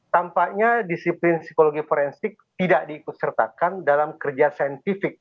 tampaknya disiplin psikologi forensik tidak diikut sertakan dalam kerja saintifik